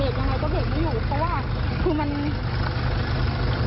มีรอยเบรกไหมนี่จะล้อนบนไกลถูกชนว่าข้ามฝั่งมาแล้ว